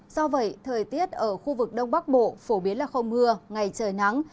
do vậy thời tiết ở khu vực đông bắc bộ phổ biến là không mưa ngày trời nắng